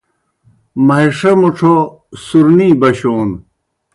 مِہݜہ مُڇھو سُرنی بشون